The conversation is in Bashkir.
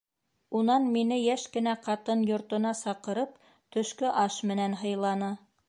Унан мине йәш кенә ҡатын, йортона саҡырып, төшкө аш менән һыйланы.